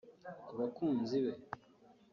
ku bakunzi be